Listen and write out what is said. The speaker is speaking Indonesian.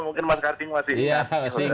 mungkin mas karning masih di cibubun